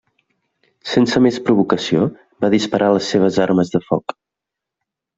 Sense més provocació, van disparar les seves armes de foc.